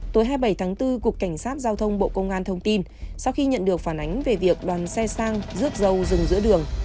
tối hai mươi bảy tháng bốn cục cảnh sát giao thông bộ công an thông tin sau khi nhận được phản ánh về việc đoàn xe sang rước dâu dừng giữa đường